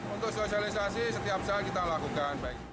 untuk sosialisasi setiap saat kita lakukan